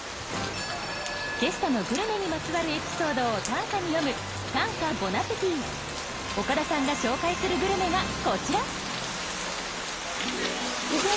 ゲストのグルメにまつわるエピソードを短歌に詠む岡田さんが紹介するグルメがこちらおおっ！